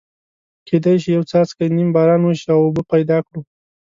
کېدای شي یو څاڅکی نیم باران وشي او اوبه پیدا کړو.